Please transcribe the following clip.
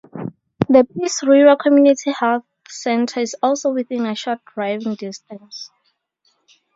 The Peace River Community Health Centre is also within a short driving distance.